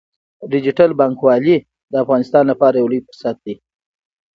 ډیجیټل بانکوالي د افغانستان لپاره یو لوی فرصت دی۔